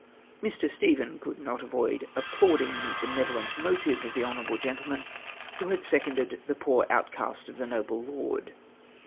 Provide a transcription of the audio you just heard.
Mr. Stephen could not avoid applauding the benevolent motive of the honom al^le gentleman who had seconded the poor outcast of the noble lord.